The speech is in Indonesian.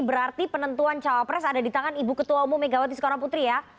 berarti penentuan cawapres ada di tangan ibu ketua umum megawati soekarno putri ya